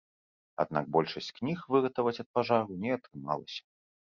Аднак большасць кніг выратаваць ад пажару не атрымалася.